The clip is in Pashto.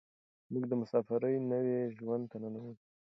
موږ د مساپرۍ نوي ژوند ته ننوځو.